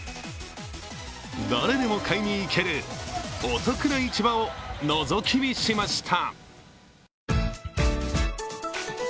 誰でも買いに行けるお得な市場をのぞき見しました。